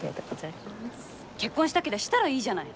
結婚したけりゃしたらいいじゃない。